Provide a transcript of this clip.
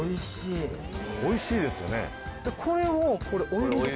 おいしいですよね。